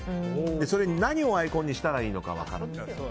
それに何をアイコンにしたらいいのか分からない。